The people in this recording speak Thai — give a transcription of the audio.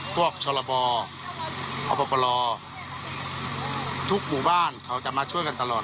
พวกชลบออปปลรอทุกหมู่บ้านเขาจะมาช่วยกันตลอด